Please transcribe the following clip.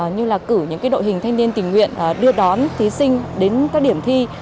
như là cử những đội hình thanh niên tình nguyện đưa đón thí sinh đến các điểm thi